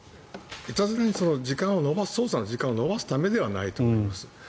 いたずらに捜査の時間を延ばすためではないと思います。